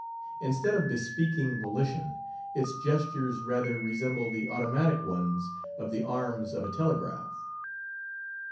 Instead of bespeaking volition, its gestures rather resemble the automatic ones of the arms of a telegraph.